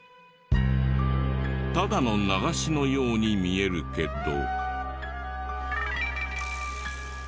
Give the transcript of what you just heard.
ただの流しのように見えるけど。